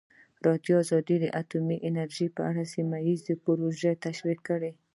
ازادي راډیو د اټومي انرژي په اړه سیمه ییزې پروژې تشریح کړې.